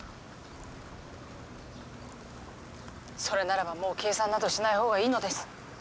それならばもう計算などしない方がいいのです！